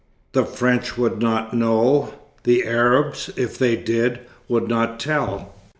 The French would not know. The Arabs, if they did, would not tell.